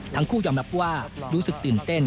ทั้งคู่ยอมรับว่ารู้สึกตื่นเต้น